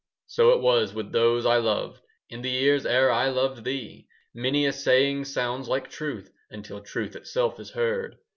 So it was with those I loved In the years ere I loved thee. 10 Many a saying sounds like truth, Until Truth itself is heard.